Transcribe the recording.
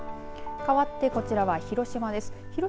かわって、こちらは広島です。